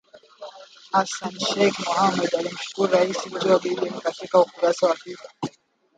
Hassan Sheikh Mohamud alimshukuru Rais Joe Biden katika ukurasa wa Twita